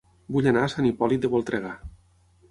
Vull anar a Sant Hipòlit de Voltregà